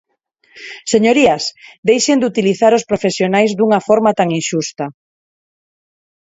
Señorías, deixen de utilizar os profesionais dunha forma tan inxusta.